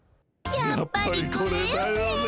やっぱりこれだよね。